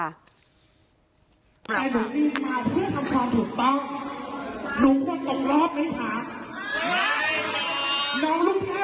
มาเพื่อทำความถูกต้องหนูควรตกรอบไหมค่ะ